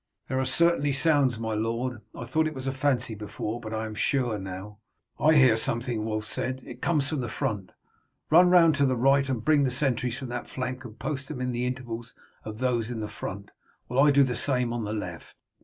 "There are certainly sounds, my lord. I thought it was fancy before, but I am sure now." "I hear something," Wulf said. "It comes from the front. Run round to the right and bring the sentries from that flank and post them in the intervals of those in front, while I do the same on the left."